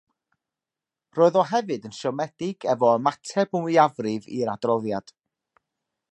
Roedd o hefyd yn siomedig efo ymateb y mwyafrif i'r adroddiad.